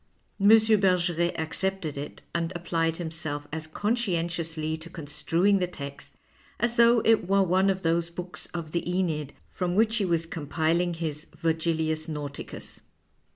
M. Bergeret accepted it and applied him self as conscientiously to construing the text as though it were one of those books of the .Eneid from which he was compiling his " Virgilius Nauticus."